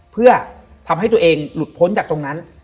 เพื่อทำให้ตัวเองหลุดพ้นจากตรงนั้น